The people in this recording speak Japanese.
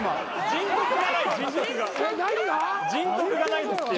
人徳がないんですって。